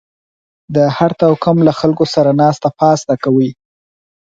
د هر توکم له خلکو سره ناسته پاسته کوئ